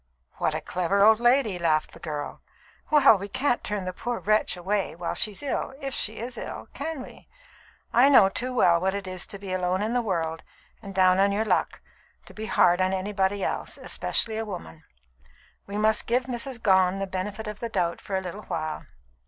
"What a clever old lady!" laughed the girl. "Well, we can't turn the poor wretch away while she's ill, if she is ill, can we? I know too well what it is to be alone in the world and down on your luck, to be hard on anybody else, especially a woman. We must give Mrs. Gone the benefit of the doubt for a little while.